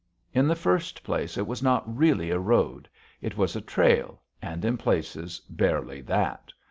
In the first place, it was not really a road. It was a trail, and in places barely that.